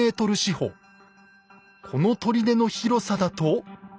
この砦の広さだと。